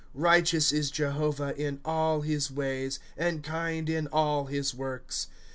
" Righteous is Jehovah in all his ways, And kind in all his works.